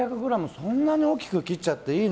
そんなに大きく切っちゃっていいの？